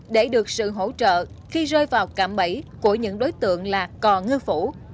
để được sự hỗ trợ khi rơi vào cạm bẫy của những đối tượng là cò ngư phủ